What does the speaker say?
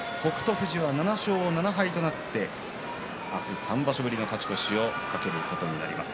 富士は７勝７敗となって明日３場所ぶりの勝ち越しを懸けることになります。